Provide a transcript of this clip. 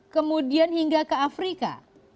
kemudian hingga ke afrika